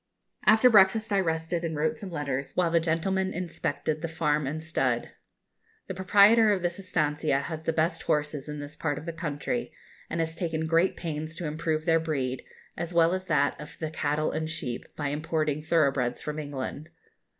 After breakfast I rested and wrote some letters, while the gentlemen inspected the farm and stud. The proprietor of this estancia has the best horses in this part of the country, and has taken great pains to improve their breed, as well as that of the cattle and sheep, by importing thorough breds from England.